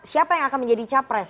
siapa yang akan menjadi capres